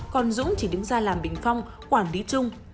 còn dũng chỉ đứng ra làm bình phong quản lý chung